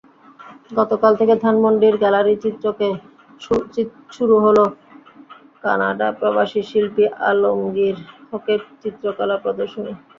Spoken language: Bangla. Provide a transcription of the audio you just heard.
গতকাল থেকে ধানমন্ডির গ্যালারি চিত্রকে শুরু হলো কানাডাপ্রবাসী শিল্পী আলমগীর হকের চিত্রকলা প্রদর্শনী।